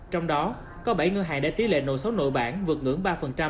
trong đó có bảy ngân hàng đã tỷ lệ nợ xấu nội bản vượt ngưỡng ba